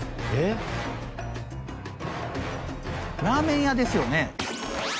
ラーメン屋ですよね？